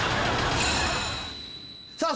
さあ